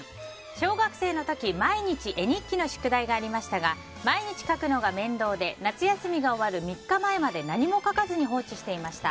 小学生の時、毎日絵日記の宿題がありましたが毎日書くのが面倒で夏休みが終わる３日前まで何も書かずに放置していました。